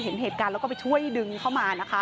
เห็นเหตุการณ์แล้วก็ไปช่วยดึงเข้ามานะคะ